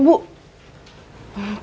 tanski ada di dalam ya